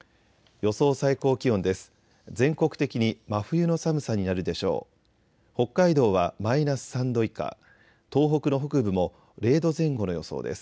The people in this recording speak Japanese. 予想最高気温です。